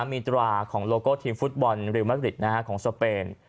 มีตราของโลโก้ทีมฟุตบอลริวมะกริดของสเปน